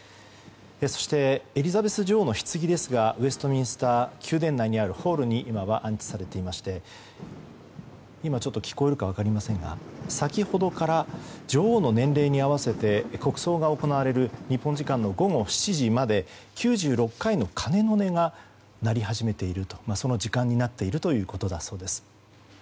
そして、エリザベス女王のひつぎですがウェストミンスター宮殿内にあるホールに今は安置されていまして先ほどから女王の年齢に合わせて国葬が行われる日本時間の午前７時まで９６回の鐘の音が鳴り始めているというその時間になっているということだそうです。